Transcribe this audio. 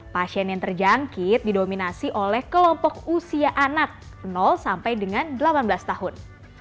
pasien yang terjangkit didominasi oleh kelompok usia anak sampai dengan delapan belas tahun